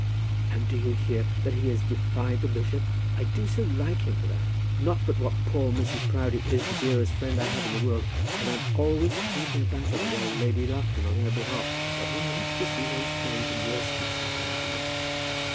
"And do you hear that he has defied the bishop? I do so like him for that. Not but what poor Mrs. Proudie is the dearest friend I have in the world, and I'm always fighting a battle with old Lady Lufton on her behalf. But one likes to see one's friends worsted sometimes, you know."